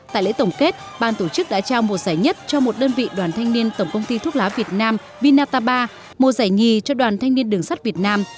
tại lễ tổng kết ban tổ chức đã trao một giải nhất cho một đơn vị đoàn thanh niên tổng công ty thuốc lá việt nam vinataba một giải nhì cho đoàn thanh niên đường sắt việt nam